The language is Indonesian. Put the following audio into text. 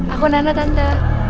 aku nana tanda